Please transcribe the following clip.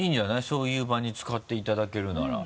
そういう場に使っていただけるなら。